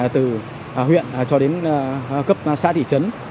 từ huyện cho đến cấp xã thị trấn